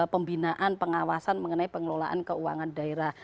pembinaan pengawasan mengenai pengelolaan keuangan daerah